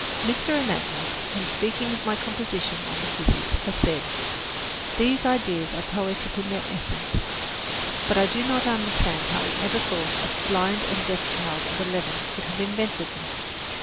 Mr. Anagnos, in speaking of my composition on the cities, has said, "These ideas are poetic in their essence." But I do not understand how he ever thought a blind and deaf child of eleven could have invented them.